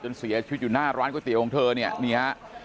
จนเสียชีวิตอยู่หน้าร้านก๋วยเตี๋ยวของเธอนี่